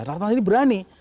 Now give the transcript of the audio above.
ratna ini berani